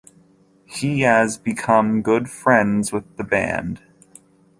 He as become good friends with the band.